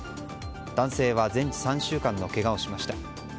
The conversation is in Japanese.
男性は全治３週間のけがをしました。